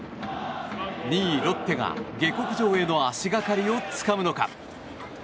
２位ロッテが下克上への足掛かりをつかむのか。